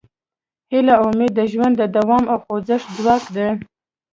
هیله او امید د ژوند د دوام او خوځښت ځواک دی.